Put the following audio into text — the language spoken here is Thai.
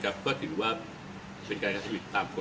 ก็ถือว่าเป็นการแรงสะวินตามกรรม